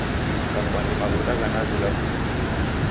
Kafwani mavuda gha nazi ghakumilo.